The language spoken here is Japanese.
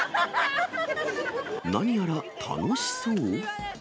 何やら楽しそう？